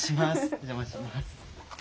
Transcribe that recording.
お邪魔します。